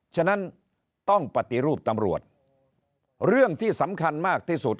ฉะนั้นต้องปฏิรูปตำรวจเรื่องที่สำคัญมากที่สุด